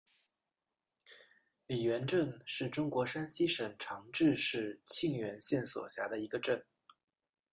李元镇是中国山西省长治市沁源县所辖的一个镇。